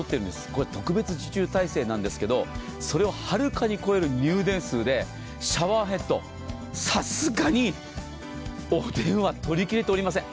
これ、特別受注態勢なんですけど、それをはるかに超える入電状況で、シャワーヘッド、さすがにお電話、取りきれておりません。